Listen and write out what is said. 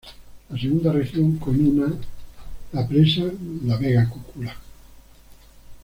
La segunda región, con una, la Presa La Vega-Cocula.